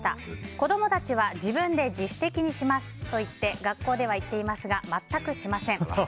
子供たちは自分で自主的にしますといって学校では言っていますが全くしません。